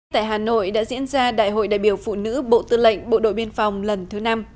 tại hà nội đã diễn ra đại hội đại biểu phụ nữ bộ tư lệnh bộ đội biên phòng lần thứ năm